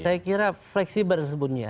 saya kira fleksibel tersebutnya